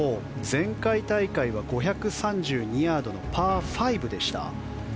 前回大会は５３２ヤードのパー５でした。